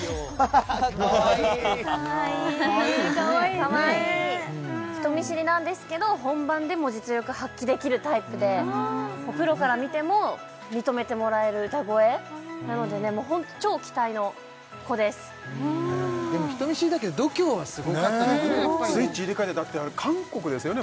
かわいい人見知りなんですけど本番でも実力発揮できるタイプでもうプロから見ても認めてもらえる歌声なのでもうホント超期待の子ですでも人見知りだけど度胸はすごかったけどねスイッチ入れ替えてだってあれ韓国ですよね